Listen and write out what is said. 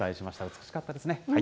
美しかったですね。